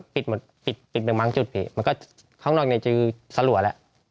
ปิดหมดปิดไปบางจุดพี่มันก็ข้างนอกเนี่ยเจอสลัวแล้ว